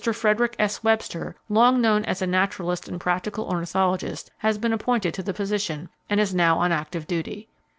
Frederic S. Webster, long known as a naturalist and practical ornithologist, has been appointed to the position, and is now on active duty.